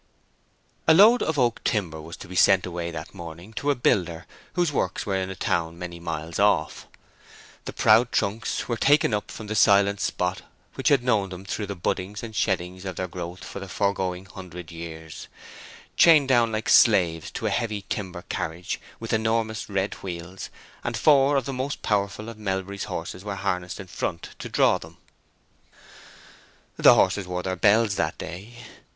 A load of oak timber was to be sent away that morning to a builder whose works were in a town many miles off. The proud trunks were taken up from the silent spot which had known them through the buddings and sheddings of their growth for the foregoing hundred years; chained down like slaves to a heavy timber carriage with enormous red wheels, and four of the most powerful of Melbury's horses were harnessed in front to draw them. The horses wore their bells that day.